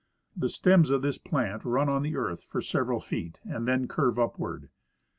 The stems of this plant run on the earth for several feet and then curve upward.